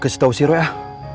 gue kasih tau si roy ah